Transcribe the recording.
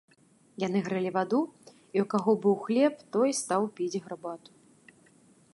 Яны грэлі ваду, і ў каго быў хлеб, той стаў піць гарбату.